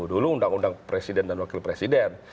dulu undang undang presiden dan wakil presiden